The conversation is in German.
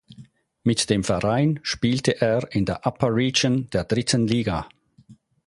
Mit dem Verein spielte er in der Upper Region der dritten Liga.